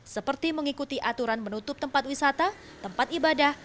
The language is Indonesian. seperti mengikuti aturan menutup tempat wisata tempat ibadah